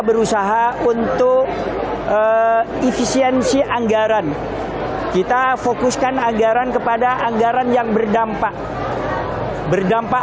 berusaha untuk efisiensi anggaran kita fokuskan anggaran kepada anggaran yang berdampak berdampak